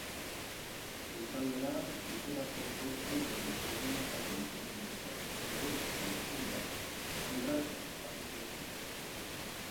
Goizaldera literako koltxoiari aldenik alde eusten dioten egurrezko listoiak libratzen hasi zaizkio.